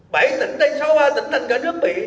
bảy tỉnh đây sáu hoa tỉnh thành cả nước bị